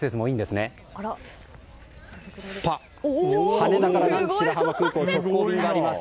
羽田から南紀白浜までの直行便があります。